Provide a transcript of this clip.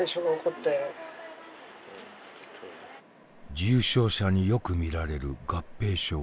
重症者によく見られる合併症。